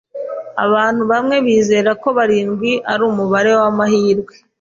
Abantu bamwe bizera ko barindwi ari umubare wamahirwe.